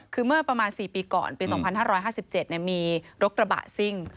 คือเมื่อประมาณ๔ปีก่อนปี๒๕๕๗มีรถกระบะซิ่ง